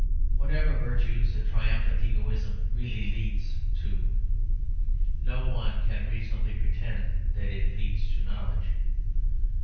Whatever virtues a triumphant egoism really leads to, no one can reasonably pretend that it leads to knowledge.